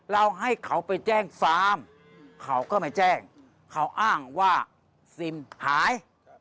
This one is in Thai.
เราให้เขาไปแจ้งฟาร์มเขาก็ไม่แจ้งเขาอ้างว่าซิมหาย